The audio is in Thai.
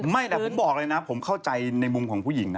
ไม่แต่ผมบอกเลยนะผมเข้าใจในมุมของผู้หญิงนะ